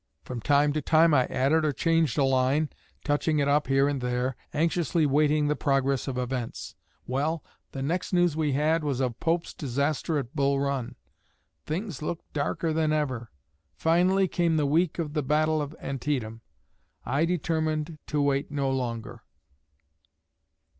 From time to time I added or changed a line, touching it up here and there, anxiously waiting the progress of events. Well, the next news we had was of Pope's disaster at Bull Run. Things looked darker than ever. Finally, came the week of the battle of Antietam. I determined to wait no longer.